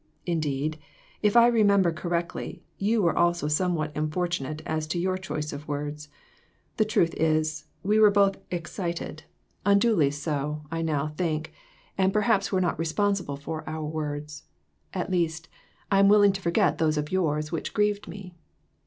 Indeed, if I remember correctly, you were also somewhat unfortunate as to your choice of words ; the truth is, we were both excited, unduly 35$ COMPLICATIONS. so, I now think, and perhaps were not responsible for our words ; at least, I am willing to forget those of yours which grieved me.